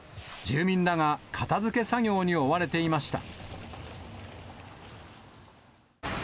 住民らが片づけ作業に追われていました。